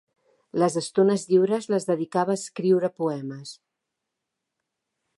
Les estones lliures les dedicava a escriure poemes.